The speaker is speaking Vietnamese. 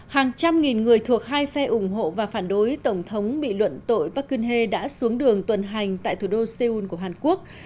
hàng trăm nghìn người thuộc hai phe ủng hộ và phản đối tổng thống bị luận tội buckine đã xuống đường tuần hành tại thủ đô seoul của hàn quốc